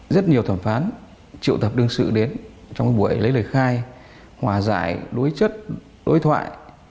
rất nhiều thẩm phán triệu tập đương sự đến trong cái buổi lấy lời khai hòa giải đối chất đối thoại